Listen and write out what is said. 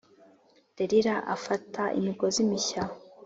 Delila afata imigozi mishya